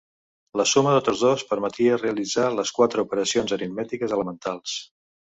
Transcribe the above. La suma de tots dos permetia realitzar les quatre operacions aritmètiques elementals.